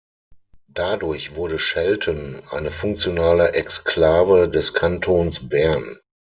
Dadurch wurde Schelten eine funktionale Exklave des Kantons Bern.